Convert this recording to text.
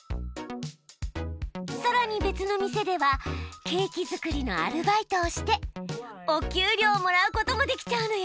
さらに別の店ではケーキ作りのアルバイトをしてお給料もらうこともできちゃうのよ。